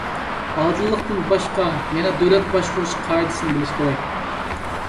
ئادىللىقتىن باشقا، يەنە دۆلەت باشقۇرۇش قائىدىسىنى بىلىش كېرەك.